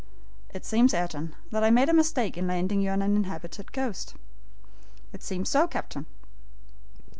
"It seems, Ayrton, that I made a mistake in landing you on an inhabited coast." "It seems so, captain."